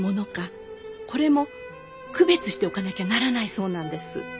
これも区別しておかなきゃならないそうなんです。